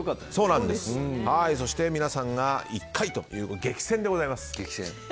そして皆さんが、１回という激戦でございます。